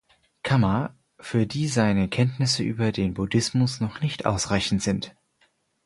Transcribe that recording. Kammer, für die seine Kenntnisse über den Buddhismus noch nicht ausreichend sind.